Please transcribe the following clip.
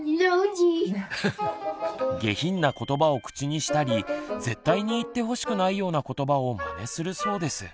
下品なことばを口にしたり絶対に言ってほしくないようなことばをまねするそうです。